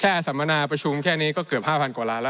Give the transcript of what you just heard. สัมมนาประชุมแค่นี้ก็เกือบ๕๐๐กว่าล้านแล้ว